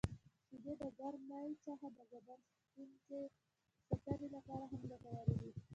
• شیدې د ګرمۍ څخه د بدن ساتنې لپاره هم ګټورې دي.